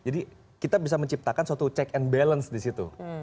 jadi kita bisa menciptakan suatu check and balance disitu